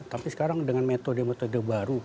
tapi sekarang dengan metode metode baru